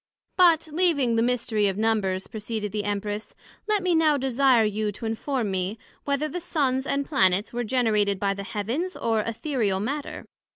But leaving the mystery of Numbers, proceeded the Empress, Let me now desire you to inform me, Whether the Suns and Planets were generated by the Heavens, or Æthereal Matter?